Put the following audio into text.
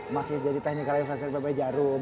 masih jadi technical advisor di pb jarum